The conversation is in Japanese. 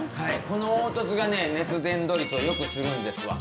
この凹凸がね、熱伝導率をよくするんですわ。